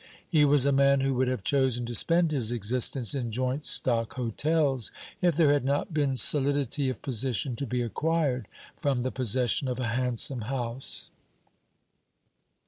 He was a man who would have chosen to spend his existence in joint stock hotels, if there had not been solidity of position to be acquired from the possession of a handsome house.